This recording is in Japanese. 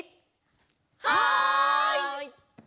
はい！